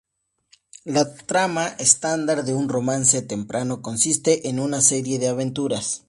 La trama estándar de un romance temprano consiste en una serie de aventuras.